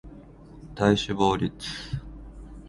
体脂肪率